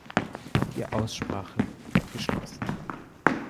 Die Aussprache geschlossen.